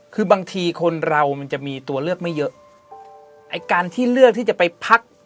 คือบางทีคนเรามันจะมีตัวเลือกไม่เยอะไอ้การที่เลือกที่จะไปพัก